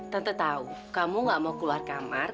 tante tahu kamu gak mau keluar kamar